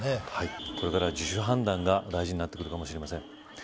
これからは自主判断が大事になってくるかもしれません。